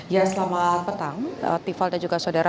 ya selama petang tifal dan juga saudara